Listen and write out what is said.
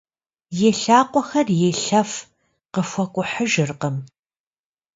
И лъакъуэхэр елъэф, къыхуэкӏухьыжыркъым.